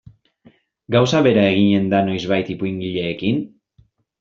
Gauza bera eginen da noizbait ipuingileekin?